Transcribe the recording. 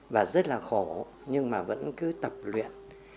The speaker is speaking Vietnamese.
và rất là khổ nhưng mà vẫn cứ tập luyện